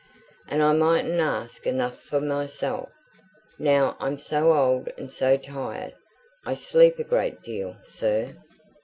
And I mightn't ask enough for myself, now I'm so old and so tired. I sleep a great deal, sir."